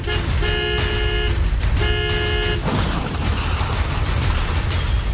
กลงไปร่วมแรก